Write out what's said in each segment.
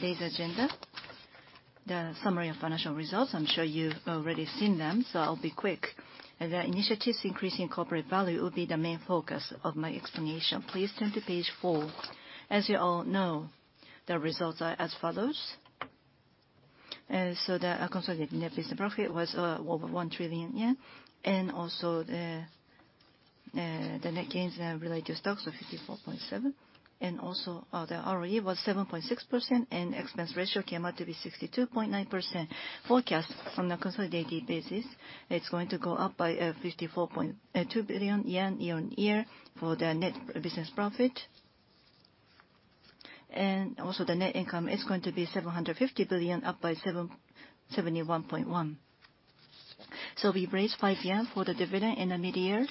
Today's agenda, the summary of financial results. I am sure you have already seen them, so I will be quick. The initiatives increasing corporate value will be the main focus of my explanation. Please turn to page four. As you all know, the results are as follows. The consolidated net business profit was over 1 trillion yen, and also the net gains related to stocks was 54.7 billion, and also the ROE was 7.6%, and expense ratio came out to be 62.9%. Forecast on the consolidated business, it is going to go up by 54.2 billion yen year-on-year for the net business profit. Also the net income is going to be 750 billion, up by 71.1 billion. We raised 5 yen for the dividend in the mid-year.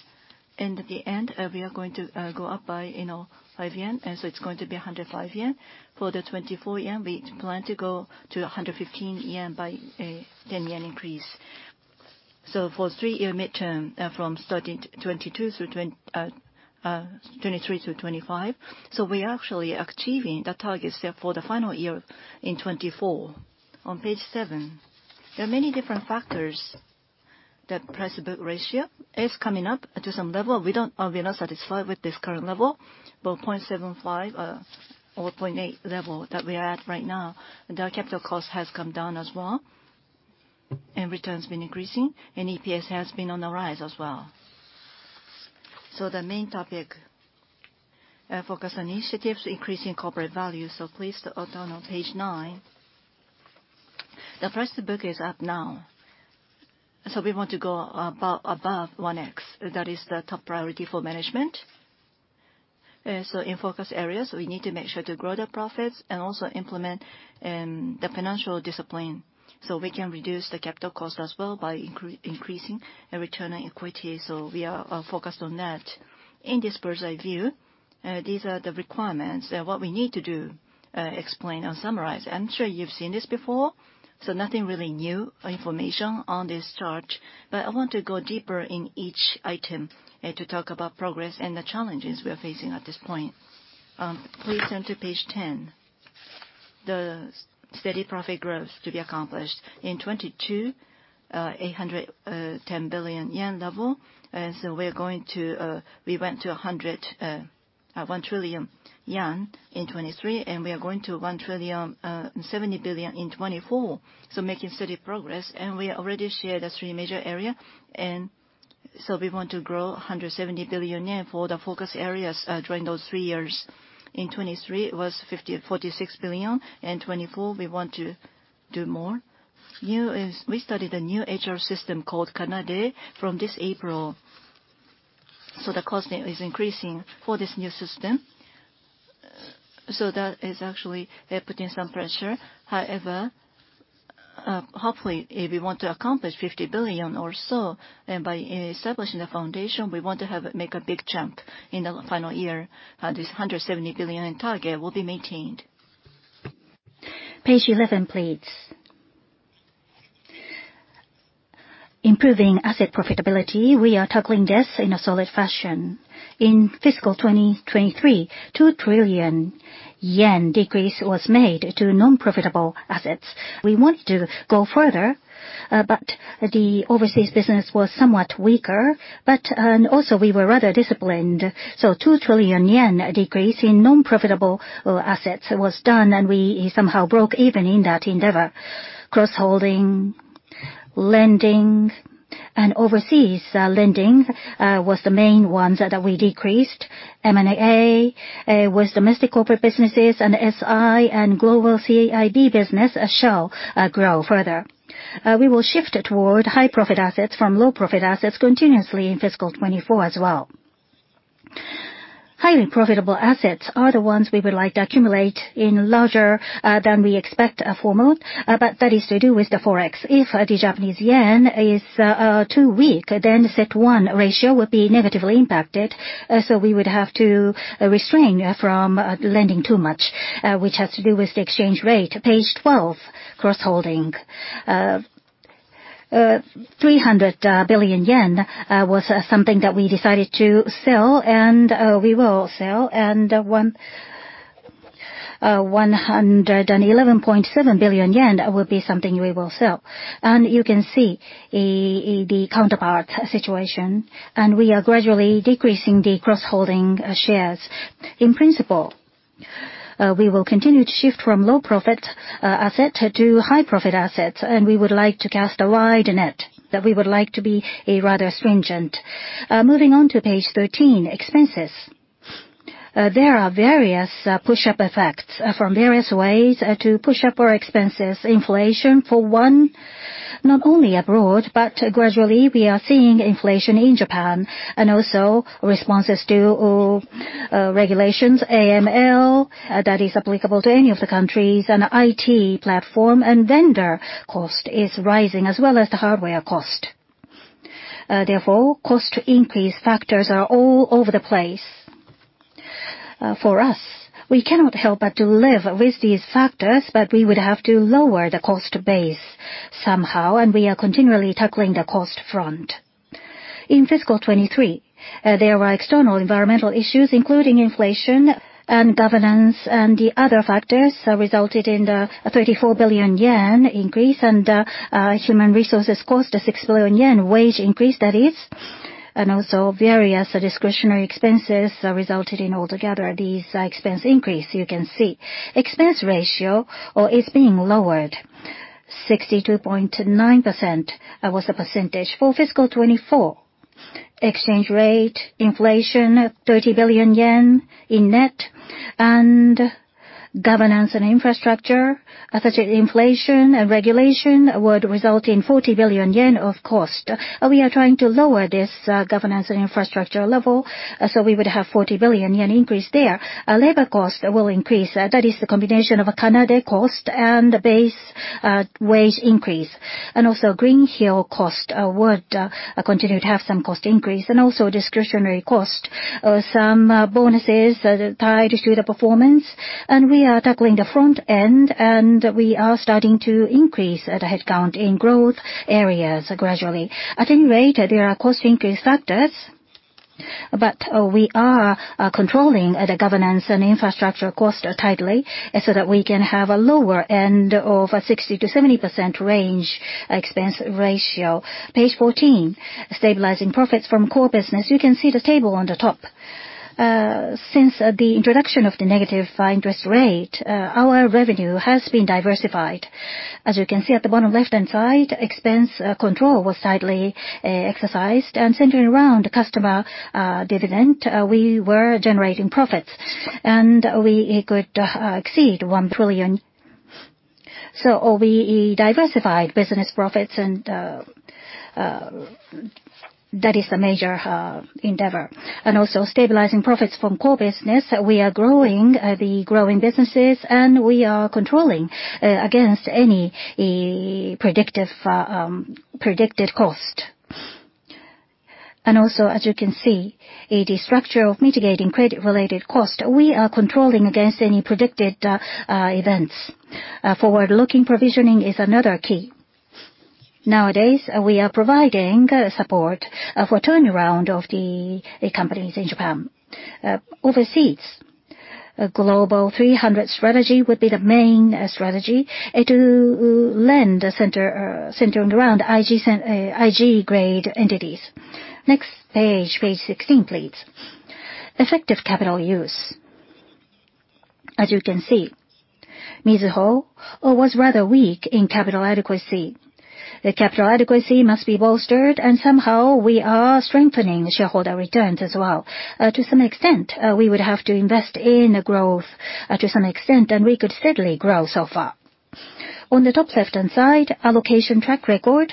In the end, we are going to go up by 5 yen, and so it is going to be 105 yen. For the 2024 year, we plan to go to 115 yen by a 10 yen increase. For three-year midterm, from starting 2023 to 2025, so we are actually achieving the targets there for the final year in 2024. On page seven, there are many different factors. The price-to-book ratio is coming up to some level. We are not satisfied with this current level, but 0.75 or 0.8 level that we are at right now. The capital cost has come down as well, and return has been increasing, and EPS has been on the rise as well. The main topic, focus on initiatives, increasing corporate value. Please turn on page nine. The price-to-book is up now, so we want to go above 1x. That is the top priority for management. In focus areas, we need to make sure to grow the profits and also implement the financial discipline so we can reduce the capital cost as well by increasing return on equity. We are focused on that. In this bird's-eye view, these are the requirements, what we need to do, explain and summarize. I am sure you have seen this before, so nothing really new information on this chart, but I want to go deeper in each item to talk about progress and the challenges we are facing at this point. Please turn to page 10. The steady profit growth to be accomplished in 2022, 810 billion yen level. We went to 1 trillion yen in 2023, and we are going to 1,070 billion in 2024, so making steady progress. We already shared the three major area. We want to grow 170 billion yen for the focus areas during those three years. In 2023, it was 46 billion. In 2024, we want to do more. We started a new HR system called CANADE from this April, so the cost is increasing for this new system. That is actually putting some pressure. However, hopefully, if we want to accomplish 50 billion or so by establishing the foundation, we want to make a big jump in the final year. This 170 billion target will be maintained. Page 11, please. Improving asset profitability, we are tackling this in a solid fashion. In fiscal 2023, 2 trillion yen decrease was made to non-profitable assets. We wanted to go further, but the overseas business was somewhat weaker. Also, we were rather disciplined, so 2 trillion yen decrease in non-profitable assets was done, and we somehow broke even in that endeavor. Cross-holding, lending, and overseas lending was the main ones that we decreased. M&A was domestic corporate businesses, SI and global CA ID business shall grow further. We will shift toward high-profit assets from low-profit assets continuously in fiscal 2024 as well. Highly profitable assets are the ones we would like to accumulate in larger than we expect for mode, but that is to do with the Forex. If the Japanese yen is too weak, CET1 ratio would be negatively impacted. We would have to restrain from lending too much, which has to do with the exchange rate. Page 12, cross-holding. 300 billion yen was something that we decided to sell, and we will sell. 111.7 billion yen will be something we will sell. You can see the counterpart situation, and we are gradually decreasing the cross-holding shares. In principle, we will continue to shift from low-profit asset to high-profit assets, and we would like to cast a wide net, that we would like to be rather stringent. Moving on to page 13, expenses. There are various push-up effects from various ways to push up our expenses. Inflation for one, not only abroad, but gradually we are seeing inflation in Japan. Also responses to regulations, AML, that is applicable to any of the countries, IT platform and vendor cost is rising, as well as the hardware cost. Therefore, cost increase factors are all over the place. For us, we cannot help but to live with these factors, we would have to lower the cost base somehow, and we are continually tackling the cost front. In fiscal 2023, there were external environmental issues, including inflation and governance, the other factors resulted in the 34 billion yen increase and human resources cost, the 6 billion yen wage increase that is. Also various discretionary expenses resulted in altogether this expense increase you can see. Expense ratio is being lowered, 62.9% was the percentage for fiscal 2024. Exchange rate, inflation of 30 billion yen in net, Governance and infrastructure, such as inflation and regulation would result in 40 billion yen of cost. We are trying to lower this governance and infrastructure level, we would have 40 billion yen increase there. Labor cost will increase. That is the combination of CANADE cost and base wage increase. Also Greenhill cost would continue to have some cost increase. Also discretionary cost, some bonuses tied to the performance. We are tackling the front end, we are starting to increase the headcount in growth areas gradually. At any rate, there are cost increase factors, but we are controlling the governance and infrastructure cost tightly so that we can have a lower end of a 60%-70% range expense ratio. Page 14, stabilizing profits from core business. You can see the table on the top. Since the introduction of the negative interest rate, our revenue has been diversified. As you can see at the bottom left-hand side, expense control was tightly exercised, centering around customer dividend, we were generating profits, we could exceed 1 trillion. We diversified business profits and that is a major endeavor. Also stabilizing profits from core business, we are growing the growing businesses, we are controlling against any predicted cost. Also, as you can see, the structure of mitigating credit-related cost, we are controlling against any predicted events. Forward-looking provisioning is another key. Nowadays, we are providing support for turnaround of the companies in Japan. Overseas, Global 300 strategy would be the main strategy to lend centered around IG grade entities. Next page 16, please. Effective capital use. As you can see, Mizuho was rather weak in capital adequacy. The capital adequacy must be bolstered, somehow we are strengthening shareholder returns as well. To some extent, we would have to invest in growth to some extent, we could steadily grow so far. On the top left-hand side, allocation track record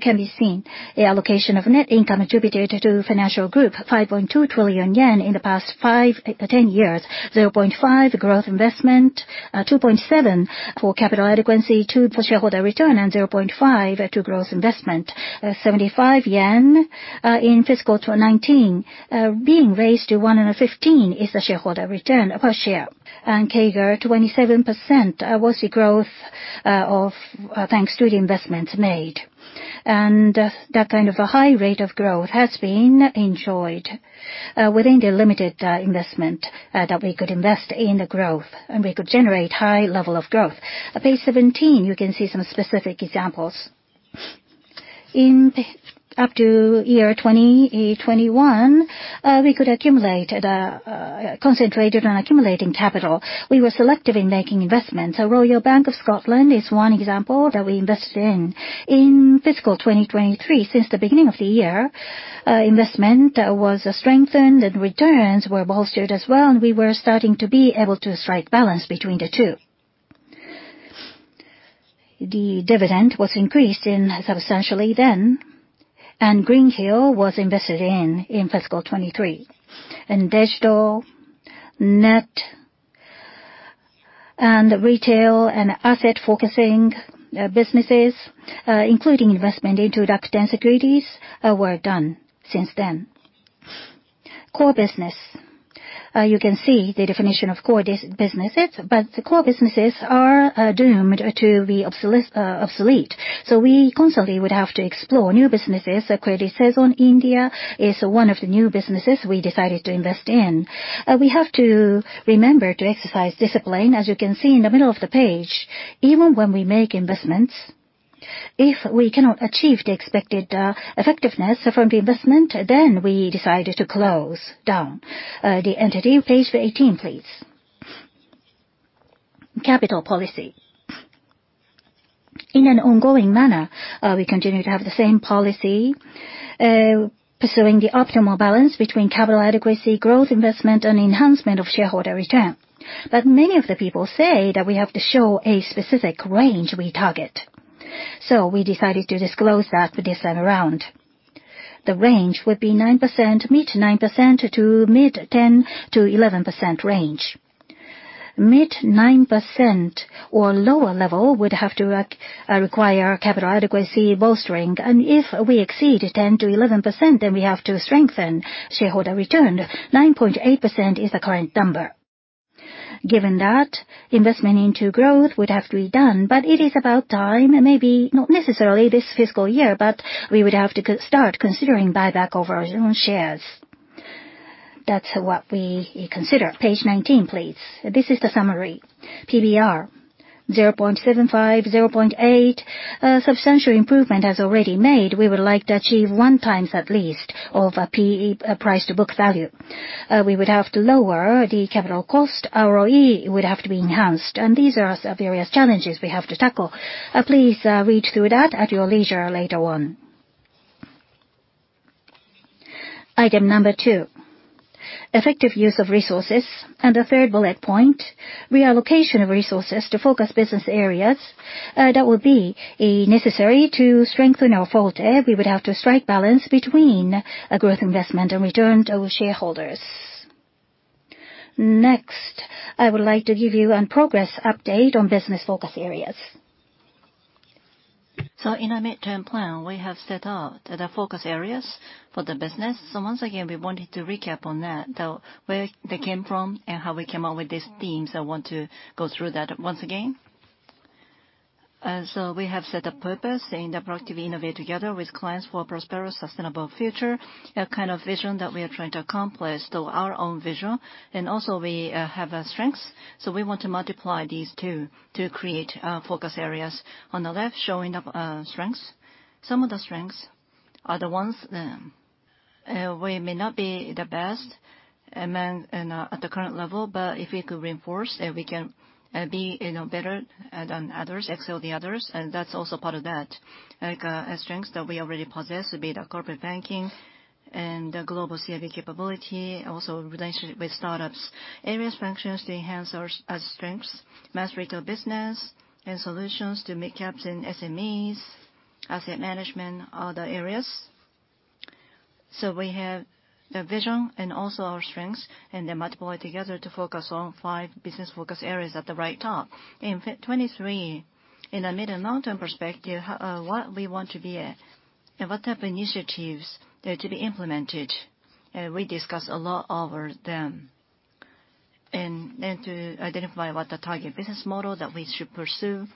can be seen. The allocation of net income attributed to financial group, 5.2 trillion yen in the past 5-10 years, 0.5 growth investment, 2.7 for capital adequacy, 2 for shareholder return, 0.5 to growth investment. 75 yen in fiscal 2019 being raised to 115 is the shareholder return per share. CAGR, 27% was the growth of thanks to the investments made. That kind of a high rate of growth has been enjoyed within the limited investment that we could invest in growth, we could generate high level of growth. Page 17, you can see some specific examples. Up to year 2021, we could concentrate on accumulating capital. We were selective in making investments. Royal Bank of Scotland is one example that we invested in. In fiscal 2023, since the beginning of the year, investment was strengthened, returns were bolstered as well, we were starting to be able to strike balance between the two. The dividend was increased substantially then, Greenhill was invested in in fiscal 2023. Digital, net, retail and asset focusing businesses, including investment into securities, were done since then. Core business. You can see the definition of core businesses, but the core businesses are doomed to be obsolete. We constantly would have to explore new businesses. Credit Saison India is one of the new businesses we decided to invest in. We have to remember to exercise discipline, as you can see in the middle of the page. Even when we make investments, if we cannot achieve the expected effectiveness from the investment, then we decided to close down the entity. Page 18, please. Capital policy. In an ongoing manner, we continue to have the same policy, pursuing the optimal balance between capital adequacy, growth investment, and enhancement of shareholder return. Many of the people say that we have to show a specific range we target. We decided to disclose that this time around. The range would be mid 9% to mid 10%-11% range. Mid 9% or lower level would have to require capital adequacy bolstering. If we exceed 10%-11%, we have to strengthen shareholder return. 9.8% is the current number Given that, investment into growth would have to be done. It is about time, maybe not necessarily this fiscal year, we would have to start considering buyback of our own shares. That's what we consider. Page 19, please. This is the summary. PBR, 0.75, 0.8. Substantial improvement has already made. We would like to achieve 1x at least of PE price to book value. We would have to lower the capital cost. ROE would have to be enhanced. These are various challenges we have to tackle. Please read through that at your leisure later on. Item number 2, effective use of resources. The 3rd bullet point, reallocation of resources to focus business areas that will be necessary to strengthen our forte. We would have to strike balance between a growth investment and return to our shareholders. I would like to give you a progress update on business focus areas. In our mid-term plan, we have set out the focus areas for the business. Once again, we wanted to recap on that, though where they came from and how we came up with these themes. I want to go through that once again. We have set a purpose, saying that productively innovate together with clients for a prosperous, sustainable future, a kind of vision that we are trying to accomplish through our own vision. We have strengths. We want to multiply these two to create our focus areas. On the left, showing the strengths. Some of the strengths are the ones we may not be the best at the current level. If we could reinforce, we can be better than others, excel the others, and that's also part of that. Strengths that we already possess, be it corporate banking and the global CIB capability, also relationship with startups. Areas, functions to enhance our strengths, mass retail business and solutions to mid-caps and SMEs, asset management, other areas. We have the vision and also our strengths, and they multiply together to focus on 5 business focus areas at the right top. In 2023, in the mid- and long-term perspective, what we want to be at, and what type of initiatives are to be implemented. We discussed a lot over them. To identify what the target business model that we should pursue.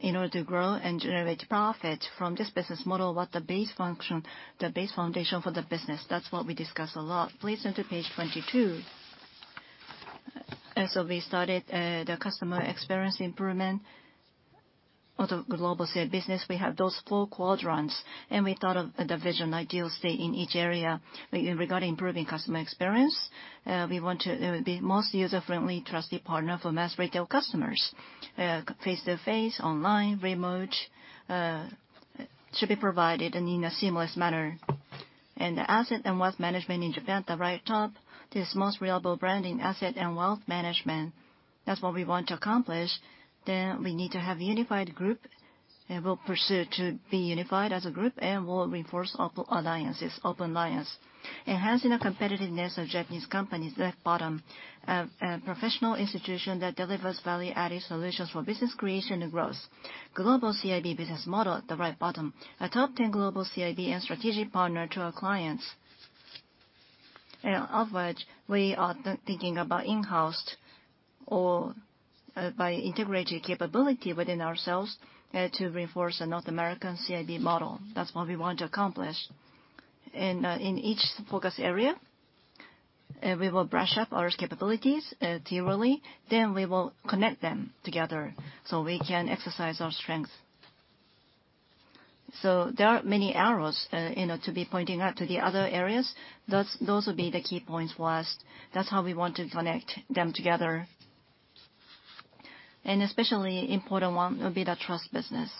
In order to grow and generate profit from this business model, what the base function, the base foundation for the business, that's what we discussed a lot. Please turn to page 22. We started the customer experience improvement of the global CIB business. We have those four quadrants, and we thought of the vision ideal state in each area. Regarding improving customer experience, we want to be most user-friendly trusted partner for mass retail customers. Face-to-face, online, remote should be provided and in a seamless manner. The asset and wealth management in Japan at the right top, is most reliable brand in asset and wealth management. That's what we want to accomplish. We need to have unified group, and will pursue to be unified as a group and will reinforce open alliances. Enhancing the competitiveness of Japanese companies, left bottom, a professional institution that delivers value-added solutions for business creation and growth. Global CIB business model at the right bottom. A top 10 global CIB and strategic partner to our clients. Of which we are thinking about in-house or by integrating capability within ourselves to reinforce a North American CIB model. That's what we want to accomplish. In each focus area, we will brush up our capabilities thoroughly, we will connect them together so we can exercise our strengths. There are many arrows to be pointing out to the other areas. Those will be the key points for us. That's how we want to connect them together. Especially important one will be the trust business,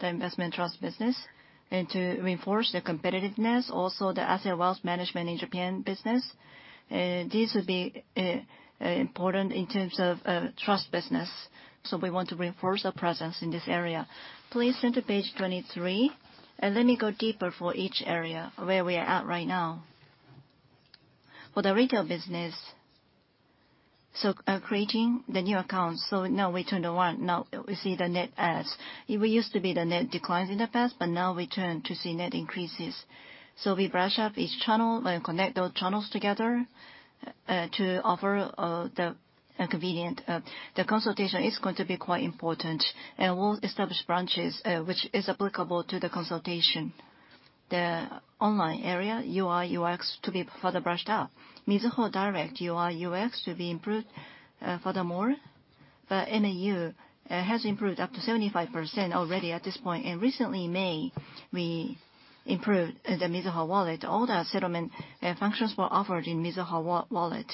the investment trust business, and to reinforce the competitiveness, also the asset wealth management in Japan business. These will be important in terms of trust business. We want to reinforce our presence in this area. Please turn to page 23. Let me go deeper for each area of where we are at right now. For the retail business, creating the new accounts. Now we turn to one, now we see the net adds. It used to be the net declines in the past, but now we turn to see net increases. We brush up each channel and connect those channels together to offer the convenient. The consultation is going to be quite important, and we'll establish branches which is applicable to the consultation. The online area, UI, UX to be further brushed up. Mizuho Direct UI, UX to be improved furthermore. The MU has improved up to 75% already at this point. Recently in May, we improved the Mizuho Wallet. All the settlement functions were offered in Mizuho Wallet.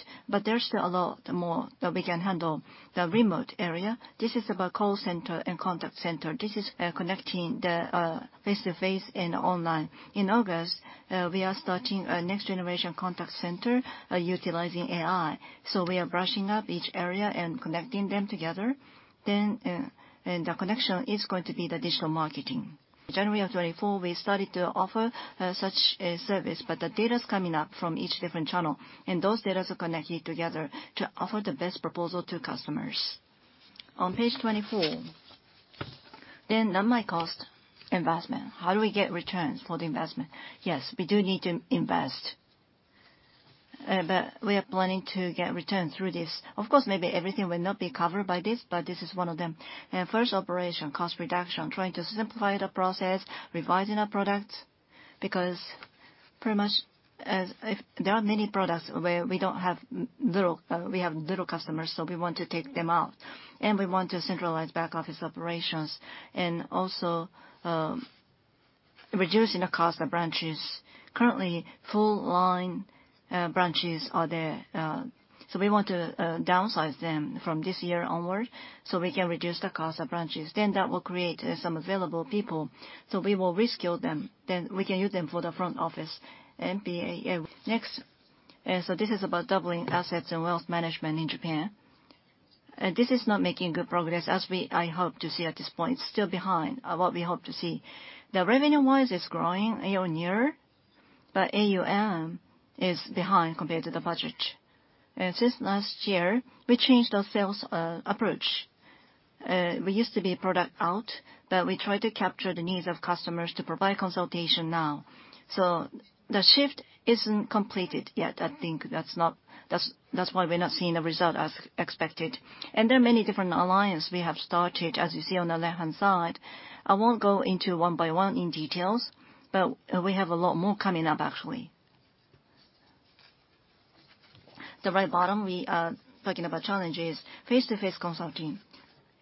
There's still a lot more that we can handle. The remote area, this is about call center and contact center. This is connecting the face-to-face and online. In August, we are starting a next-generation contact center utilizing AI. We are brushing up each area and connecting them together. The connection is going to be the digital marketing. January of 2024, we started to offer such a service, the data's coming up from each different channel, and those data's are connected together to offer the best proposal to customers. On page 24 non-cost investment. How do we get returns for the investment? Yes, we do need to invest. We are planning to get returns through this. Of course, maybe everything will not be covered by this, but this is one of them. First, operation cost reduction, trying to simplify the process, revising our product, because pretty much there are many products where we have little customers, so we want to take them out, and we want to centralize back-office operations. Also reducing the cost of branches. Currently, full line branches are there. We want to downsize them from this year onward so we can reduce the cost of branches. That will create some available people. We will reskill them, then we can use them for the front office. Next. This is about doubling assets and wealth management in Japan. This is not making good progress as I hoped to see at this point. It is still behind what we hoped to see. Revenue-wise, it is growing year-over-year, but AUM is behind compared to the budget. Since last year, we changed our sales approach. We used to be product out, but we try to capture the needs of customers to provide consultation now. The shift is not completed yet. I think that is why we are not seeing the result as expected. There are many different alliances we have started, as you see on the left-hand side. I will not go into one by one in details, but we have a lot more coming up, actually. The right bottom, we are talking about challenges. Face-to-face consulting.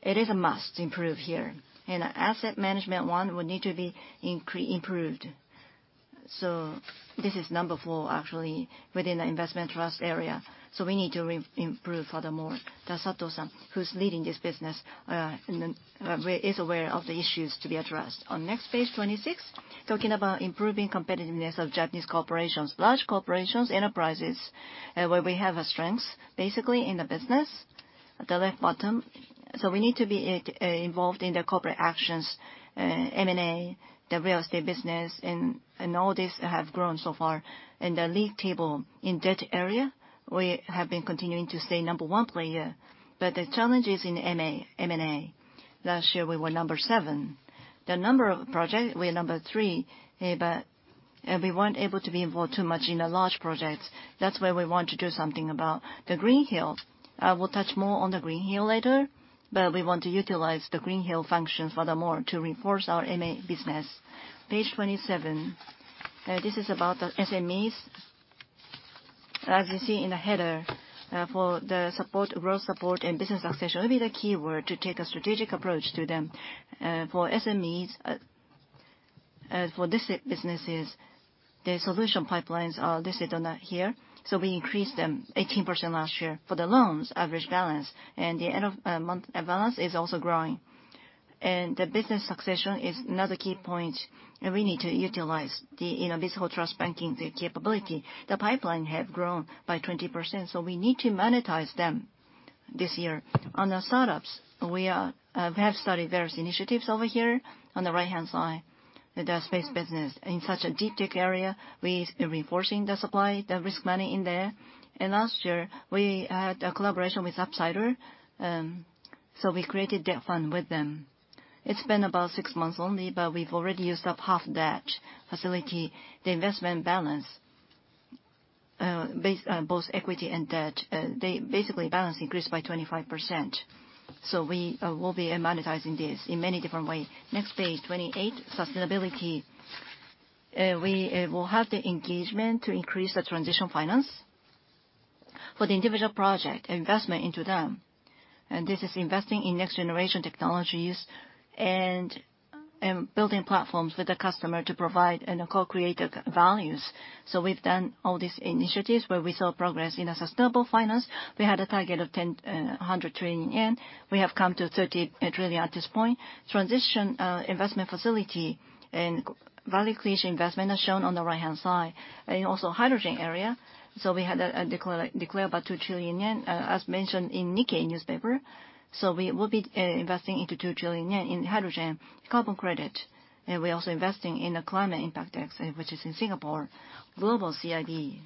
It is a must to improve here. Asset management, one would need to be improved. This is number 4, actually, within the investment trust area. We need to improve furthermore. Sato-san, who is leading this business, is aware of the issues to be addressed. On next page 26, talking about improving competitiveness of Japanese corporations. Large corporations, enterprises, where we have a strength, basically in the business at the left bottom. We need to be involved in the corporate actions, M&A, the real estate business, and all this has grown so far. In the league table in debt area, we have been continuing to stay number 1 player. The challenge is in M&A. Last year, we were number 7. The number of projects, we are number 3, but we were not able to be involved too much in the large projects. That is where we want to do something about. Greenhill. I will touch more on Greenhill later, but we want to utilize the Greenhill functions furthermore to reinforce our M&A business. Page 27. This is about the SMEs. As you see in the header, for the growth support and business succession will be the keyword to take a strategic approach to them. For SMEs, for these businesses, the solution pipelines are listed on here. We increased them 18% last year for the loans average balance, and the end of month balance is also growing. The business succession is another key point, and we need to utilize this whole trust banking capability. The pipeline has grown by 20%, we need to monetize them this year. On the startups, we have studied various initiatives over here on the right-hand side, the space business. In such a deep tech area, we are reinforcing the supply, the risk money in there. Last year, we had a collaboration with UPSIDER. We created that fund with them. It's been about six months only, but we've already used up half that facility. The investment balance, both equity and debt, basically balance increased by 25%. We will be monetizing this in many different ways. Next page 28, sustainability. We will have the engagement to increase the transition finance for the individual project investment into them. This is investing in next-generation technologies and building platforms with the customer to provide co-created values. We've done all these initiatives where we saw progress in a sustainable finance. We had a target of 100 trillion yen. We have come to 30 trillion at this point. Transition investment facility and value creation investment are shown on the right-hand side. Also hydrogen area. We had declared about 2 trillion yen, as mentioned in Nikkei newspaper. We will be investing into 2 trillion yen in hydrogen carbon credit. We're also investing in the Climate Impact X, which is in Singapore, global CIB.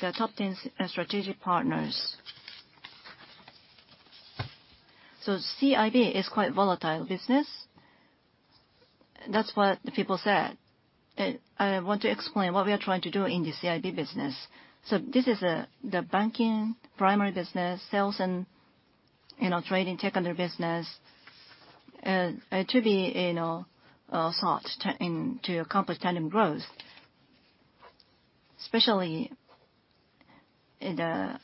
The top 10 strategic partners. CIB is quite volatile business. That's what the people said. I want to explain what we are trying to do in the CIB business. This is the banking primary business, sales and trading, tech under business, to be sought to accomplish tandem growth, especially in the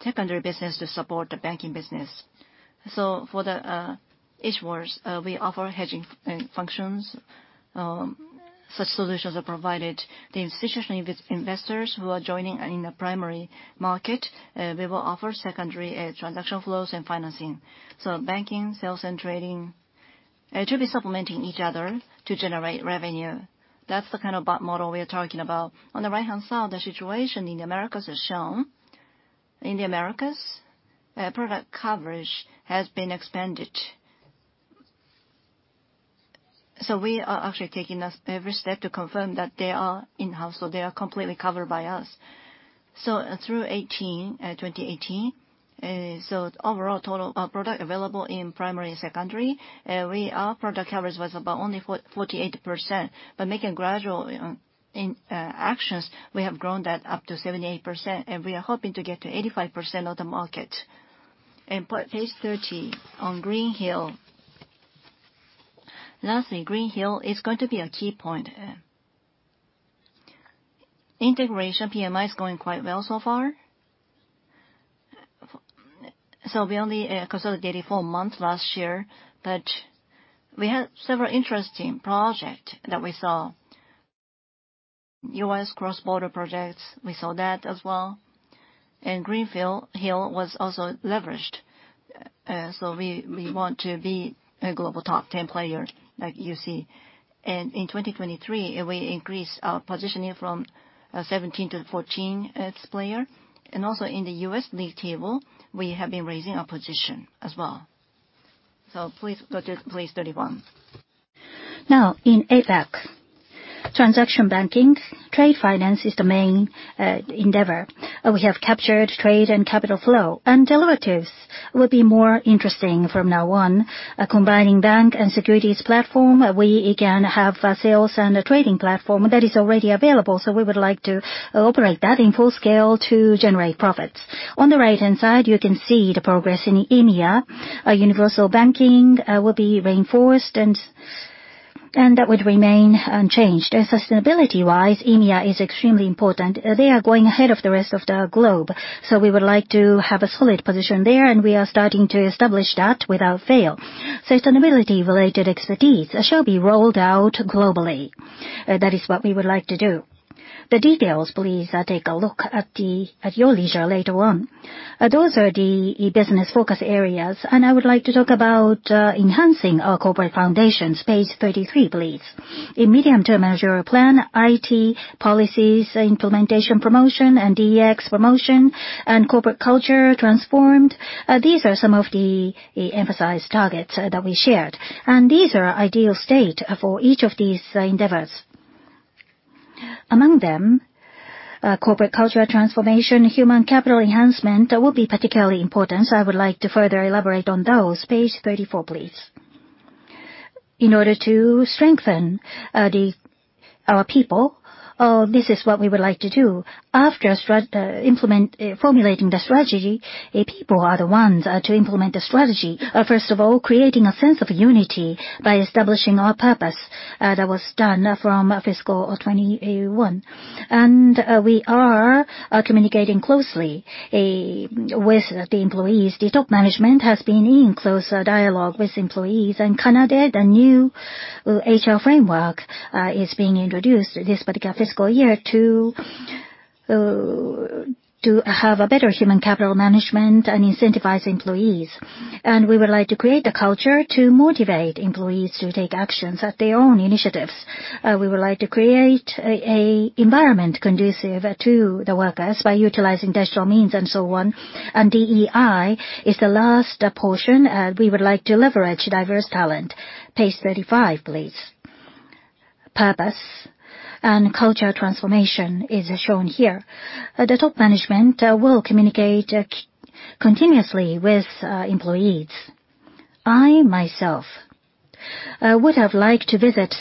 tech under business to support the banking business. For the issuers, we offer hedging functions. Such solutions are provided to institutional investors who are joining in the primary market. We will offer secondary transaction flows and financing. Banking, sales, and trading, it will be supplementing each other to generate revenue. That's the kind of model we are talking about. On the right-hand side, the situation in the Americas is shown. In the Americas, product coverage has been expanded. We are actually taking every step to confirm that they are in-house, so they are completely covered by us. Through 2018, overall total product available in primary and secondary, our product coverage was about only 48%, but making gradual actions, we have grown that up to 78%, and we are hoping to get to 85% of the market. Page 13 on Greenhill. Lastly, Greenhill is going to be a key point. Integration PMI is going quite well so far. We only consolidated for a month last year, but we had several interesting project that we saw. U.S. cross-border projects, we saw that as well. Greenhill was also leveraged. We want to be a global top 10 player like you see. In 2023, we increased our positioning from 17 to 14 as player. Also in the U.S. league table, we have been raising our position as well. Please go to page 31. In APAC, transaction banking, trade finance is the main endeavor. We have captured trade and capital flow, derivatives will be more interesting from now on. Combining bank and securities platform, we can have a sales and a trading platform that is already available. We would like to operate that in full scale to generate profits. On the right-hand side, you can see the progress in EMEA. Universal banking will be reinforced and that would remain unchanged. Sustainability-wise, EMEA is extremely important. They are going ahead of the rest of the globe, so we would like to have a solid position there, we are starting to establish that without fail. Sustainability-related activities shall be rolled out globally. That is what we would like to do. The details, please take a look at your leisure later on. Those are the business focus areas. I would like to talk about enhancing our corporate foundations. Page 33, please. In medium-term measure plan, IT policies implementation promotion, DX promotion, and corporate culture transformed, these are some of the emphasized targets that we shared. These are ideal state for each of these endeavors. Among them, corporate culture transformation, human capital enhancement will be particularly important. I would like to further elaborate on those. Page 34, please. In order to strengthen our people, this is what we would like to do. After formulating the strategy, people are the ones to implement the strategy. First of all, creating a sense of unity by establishing our purpose. That was done from fiscal 2021. We are communicating closely with the employees. The top management has been in close dialogue with employees. CANADE, the new HR framework is being introduced this particular fiscal year to have a better human capital management and incentivize employees. We would like to create a culture to motivate employees to take actions at their own initiatives. We would like to create an environment conducive to the workers by utilizing digital means and so on. DEI is the last portion. We would like to leverage diverse talent. Page 35, please. Purpose and culture transformation is shown here. The top management will communicate continuously with employees. I myself would have liked to visit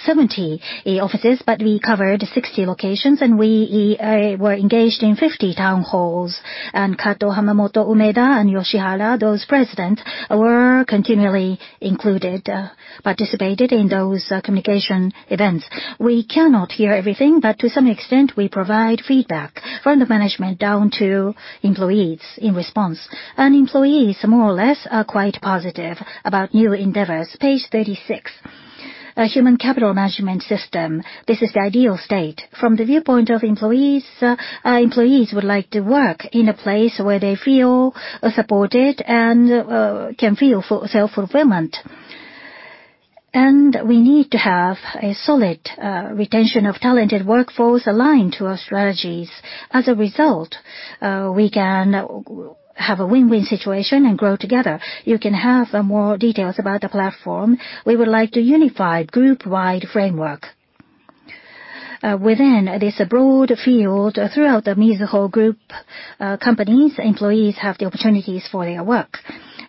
70 offices, but we covered 60 locations, and we were engaged in 50 town halls. Kato, Hamamoto, Umeda, and Yoshihara, those presidents were continually included, participated in those communication events. We cannot hear everything, but to some extent, we provide feedback from the management down to employees in response. Employees, more or less, are quite positive about new endeavors. Page 36. Human capital management system. This is the ideal state. From the viewpoint of employees would like to work in a place where they feel supported and can feel self-fulfillment. We need to have a solid retention of talented workforce aligned to our strategies. As a result, we can have a win-win situation and grow together. You can have more details about the platform. We would like to unify group-wide framework. Within this broad field, throughout the Mizuho Group companies, employees have the opportunities for their work.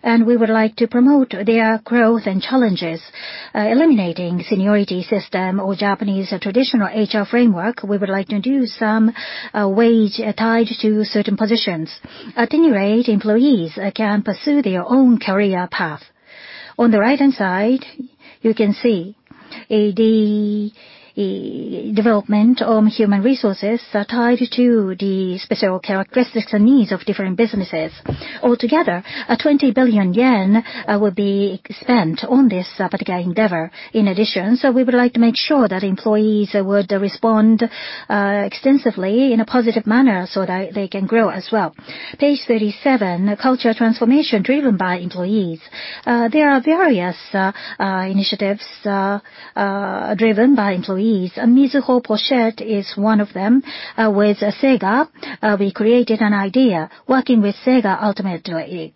We would like to promote their growth and challenges. Eliminating seniority system or Japanese traditional HR framework, we would like to do some wage tied to certain positions. At any rate, employees can pursue their own career path. On the right-hand side, you can see the development of human resources tied to the special characteristics and needs of different businesses. Altogether, 20 billion yen will be spent on this particular endeavor in addition. We would like to make sure that employees would respond extensively in a positive manner so that they can grow as well. Page 37, culture transformation driven by employees. There are various initiatives driven by employees. Mizuho Pochette is one of them. With Sega, we created an idea. Working with Sega ultimately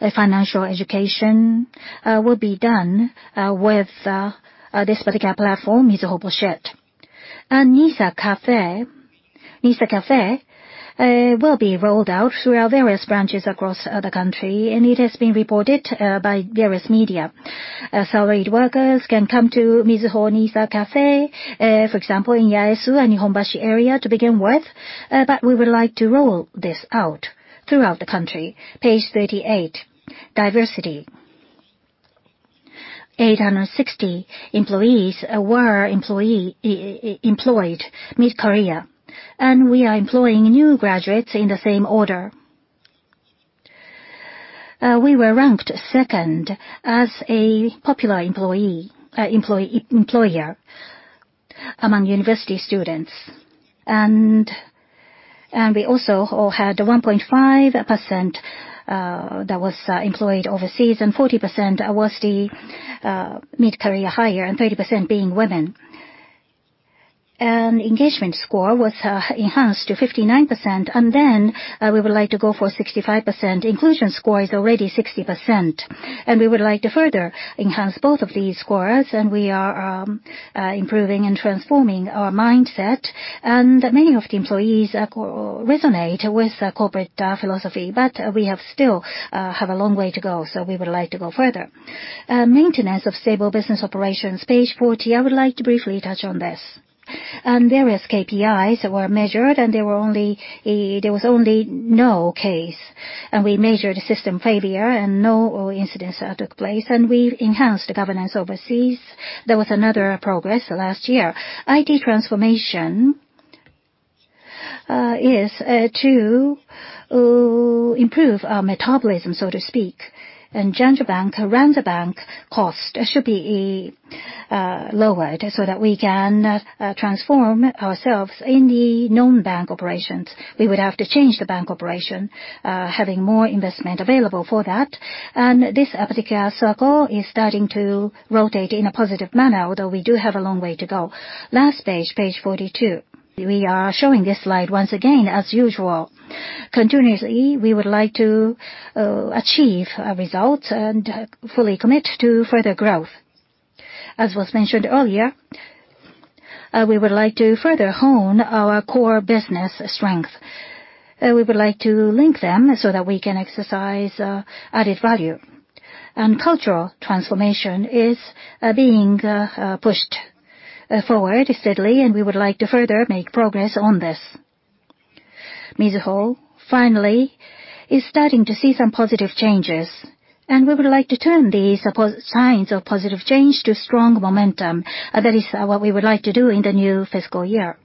a financial education will be done with this particular platform, Mizuho Pochette. Mizuho NISA Cafe will be rolled out through our various branches across the country, and it has been reported by various media. Salaried workers can come to Mizuho NISA Cafe, for example, in Yaesu and Nihonbashi area to begin with. We would like to roll this out throughout the country. Page 38, diversity. 860 employees were employed mid-career. We are employing new graduates in the same order. We were ranked second as a popular employer among university students. We also had 1.5% that was employed overseas, and 40% was the mid-career hire, and 30% being women. Engagement score was enhanced to 59%, and then we would like to go for 65%. Inclusion score is already 60%, and we would like to further enhance both of these scores, and we are improving and transforming our mindset. Many of the employees resonate with the corporate philosophy. We still have a long way to go, so we would like to go further. Maintenance of stable business operations, page 40. I would like to briefly touch on this. Various KPIs were measured, and there was only no case. We measured system failure, and no incidents took place, and we enhanced the governance overseas. There was another progress last year. IT transformation is to improve our metabolism, so to speak. Run the bank cost should be lowered so that we can transform ourselves in the non-bank operations. We would have to change the bank operation, having more investment available for that. This particular circle is starting to rotate in a positive manner, although we do have a long way to go. Last page 42. We are showing this slide once again, as usual. Continuously, we would like to achieve results and fully commit to further growth. As was mentioned earlier, we would like to further hone our core business strength. We would like to link them so that we can exercise added value. Cultural transformation is being pushed forward steadily, and we would like to further make progress on this. Mizuho, finally, is starting to see some positive changes, and we would like to turn these signs of positive change to strong momentum. That is what we would like to do in the new fiscal year.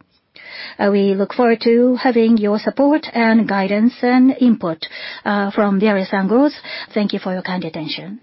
We look forward to having your support and guidance and input from various angles. Thank you for your kind attention.